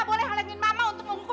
biru orangnya kalo ke vorher